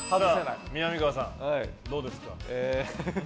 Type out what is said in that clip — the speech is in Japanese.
みなみかわさん、どうですか。